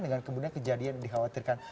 dengan kejadian yang dikhawatirkan